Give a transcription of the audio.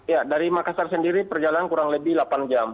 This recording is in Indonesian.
ya dari makassar sendiri perjalanan kurang lebih delapan jam